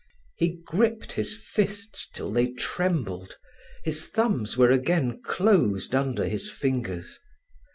He gripped his fists till they trembled; his thumbs were again closed under his fingers.